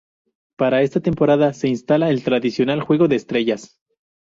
Para esta temporada se instala el tradicional Juego de Estrellas.